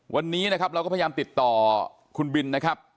วันนี้นะครับเราก็พยายามติดต่อคุณบินนะครับ